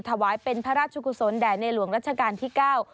ถวายเป็นพระราชกุศลแด่ในหลวงรัชกาลที่เก้า